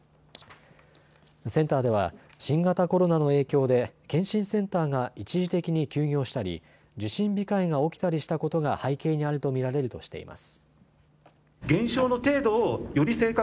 センターでは新型コロナの影響で検診センターが一時的に休業したり受診控えが起きたりしたことが背景にあると見られるとしています。